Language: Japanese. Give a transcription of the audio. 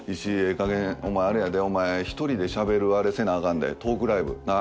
かげんお前あれやでお前１人でしゃべるあれせなアカンでトークライブなっ。